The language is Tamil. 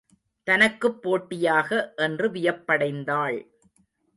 தனக்குப் போட்டியாக என்று வியப்படைந்தாள்.